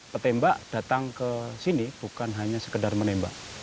petembak datang ke sini bukan hanya sekedar menembak